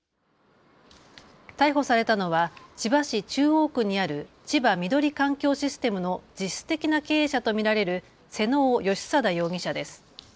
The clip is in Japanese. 逮捕されたのは千葉市中央区にある千葉緑環境システムの実質的な経営者と見られる妹尾整定容疑者です。